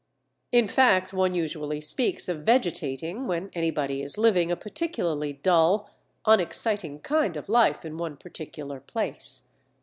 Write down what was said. In fact one usually speaks of vegetating when anybody is living a particularly dull, unexciting kind of life in one particular place.